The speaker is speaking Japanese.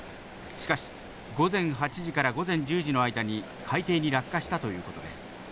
しかし、午前８時から午前１０時の間に海底に落下したということです。